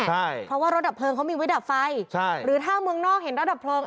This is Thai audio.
ใช่เพราะว่ารถดับเพลิงเขามีไว้ดับไฟใช่หรือถ้าเมืองนอกเห็นรถดับเพลิง